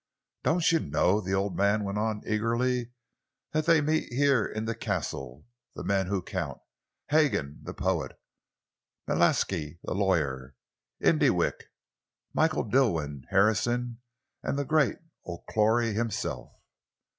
"Don't you know," the old man went on eagerly, "that they meet here in the castle, the men who count Hagen, the poet, Matlaske, the lawyer, Indewick, Michael Dilwyn, Harrison, and the great O'Clory himself?"